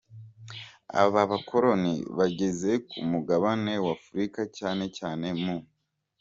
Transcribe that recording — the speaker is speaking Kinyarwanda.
Aba bakoloni bageze ku mugabane w’Afurika cyane cyane mu